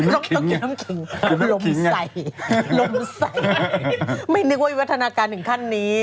ต้องกินน้ำแข็งลมใส่ลมใส่ไม่นึกว่าวิวัฒนาการถึงขั้นนี้